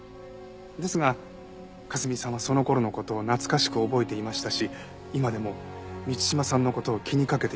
ですが香澄さんはその頃の事を懐かしく覚えていましたし今でも満島さんの事を気にかけていましたよ。